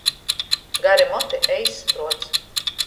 Gari moti, eiss pruots.